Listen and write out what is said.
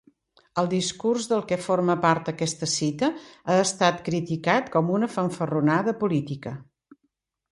El discurs del que forma part aquesta cita ha estat criticat com una fanfarronada política.